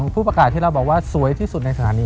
ผู้ประกาศที่เราบอกว่าสวยที่สุดในสถานี